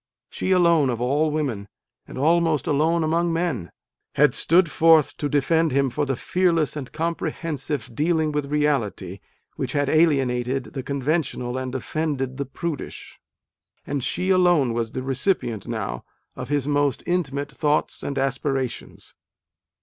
" She alone, of all women, and almost alone among men, had stood forth to defend him for the "fearless and compre hensive dealing with reality " which had alienated the conventional and offended the prudish and she alone was the recipient, now, of his most intimate thoughts and aspirations.